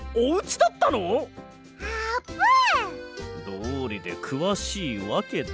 どうりでくわしいわけだ。